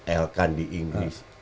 elkan di inggris